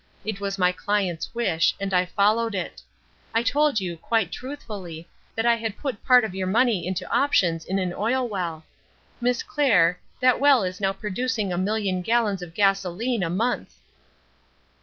It was my client's wish, and I followed it. I told you, quite truthfully, that I had put part of your money into options in an oil well. Miss Clair, that well is now producing a million gallons of gasolene a month!'